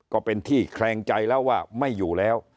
ก็เป็นที่แคลงใจแล้วว่าไม่อยู่แล้ว